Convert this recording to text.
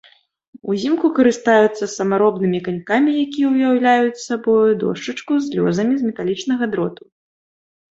Узімку карыстаюцца самаробнымі канькамі, якія ўяўляюць сабою дошчачку з лёзамі з металічнага дроту.